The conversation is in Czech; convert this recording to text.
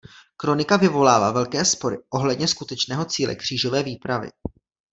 Kronika vyvolává velké spory ohledně skutečného cíle křížové výpravy.